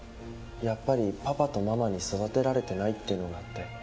やっぱりパパとママに育てられてないってのがあって。